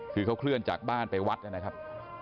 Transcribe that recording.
คือเขาเคลื่อนจากบ้านไปวัดนะครับ